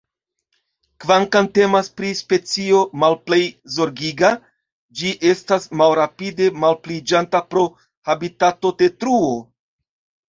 Kvankam temas pri specio Malplej Zorgiga, ĝi estas malrapide malpliiĝanta pro habitatodetruo.